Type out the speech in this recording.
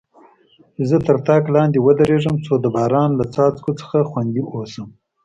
چې زه تر طاق لاندې ودریږم، څو د باران له څاڅکو څخه خوندي واوسم.